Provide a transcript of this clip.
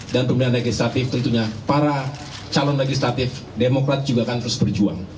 dan pemilihan legislatif tentunya para calon legislatif demokrat juga akan terus berjuang